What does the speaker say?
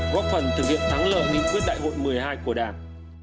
góp phần thực hiện thắng lợi nghị quyết đại hội một mươi hai của đảng